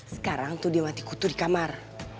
sekarang tuh dia mati kutu di kamar